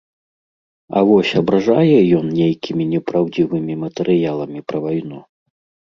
А вось абражае ён нейкімі непраўдзівымі матэрыяламі пра вайну?